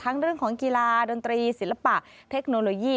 เรื่องของกีฬาดนตรีศิลปะเทคโนโลยี